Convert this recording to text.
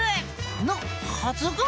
のはずが。